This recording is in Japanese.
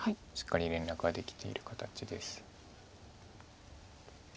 しっかり連絡ができている形です。